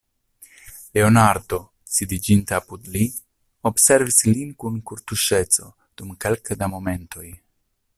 Leonardo, sidiĝinte apud li, observis lin kun kortuŝeco dum kelke da momentoj.